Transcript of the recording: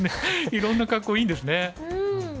いろんな格好いいんですね。